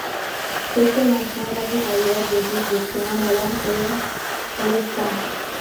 C'était l'ancien ravitailleur des îles de Sein, Molène et Ouessant.